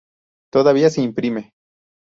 Todavía se imprime.